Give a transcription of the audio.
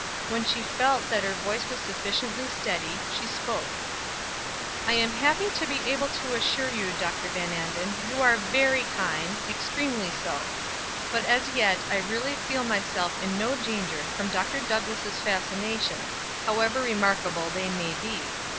When she felt that her voice was sufficiently steady, she spoke: "I am happy to be able to reassure you, Dr. Van Anden, you are very kind extremely so; but as yet I really feel myself in no danger from Dr. Douglass' fascinations, however remarkable they may be.